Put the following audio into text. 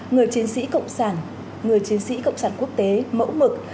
người chiến sĩ cộng sản người chiến sĩ cộng sản quốc tế mẫu mực